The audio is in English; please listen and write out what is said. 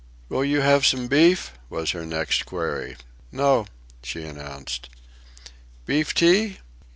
"Will you have some beef?" was her next query. "No," she announced. "Beef tea?"